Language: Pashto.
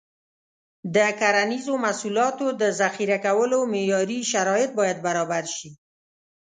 د کرنیزو محصولاتو د ذخیره کولو معیاري شرایط باید برابر شي.